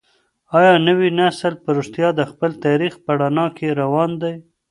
آيا نوی نسل په رښتيا د خپل تاريخ په رڼا کي روان دی؟